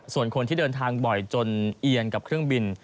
ส่วนคนที่เดินทางบ่อยจนเอียนกับเครื่องบิน